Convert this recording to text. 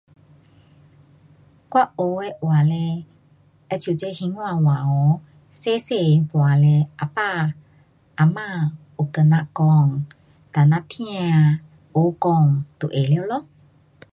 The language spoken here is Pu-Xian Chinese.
我学的话嘞，好像这兴华话哦，小小那次啊爸啊妈又跟咱讲。哒咱听，学讲就会了咯。